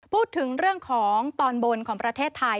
พูดถึงเรื่องของตอนบนของประเทศไทย